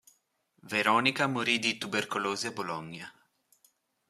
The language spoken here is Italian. Veronica morì di tubercolosi a Bologna.